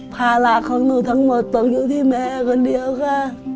ภาระของหนูทั้งหมดต้องอยู่ที่แม่คนเดียวค่ะ